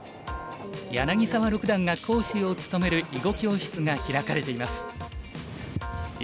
柳澤六段が講師を務める囲碁教室が開かれています。